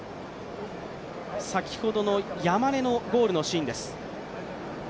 先ほどの山根のゴールのシーンです。